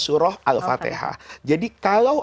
surah al fatihah jadi kalau